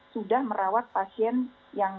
sudah merawat pasien yang